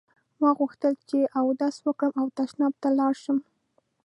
ما غوښتل چې اودس وکړم او تشناب ته لاړ شم.